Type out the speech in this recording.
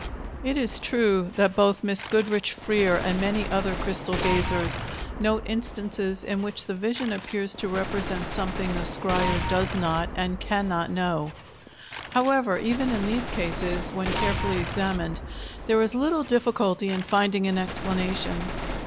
] It is true that both Miss Goodrich Freer and many other crystal gazers note instances in which the vision appears to represent something the scryer does not and cannot know. However, even in these cases, when carefully examined, there is little difficulty in finding an explanation.